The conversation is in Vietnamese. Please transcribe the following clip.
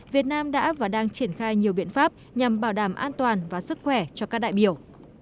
việt nam đã và đang triển khai nhiều biện pháp nhằm bảo đảm an toàn và sức khỏe cho các đại biểu